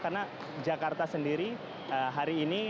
karena jakarta sendiri hari ini